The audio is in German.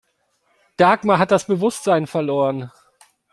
Dagmar hat das Bewusstsein verloren.